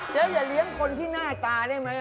อย่าเลี้ยงคนที่หน้าตาได้ไหม